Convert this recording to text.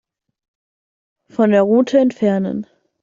Von der Route entfernen.